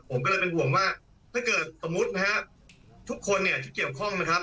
ผมก็เลยเป็นห่วงว่าถ้าเกิดสมมุตินะฮะทุกคนเนี่ยที่เกี่ยวข้องนะครับ